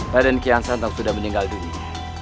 raden kian santang sudah meninggal dunia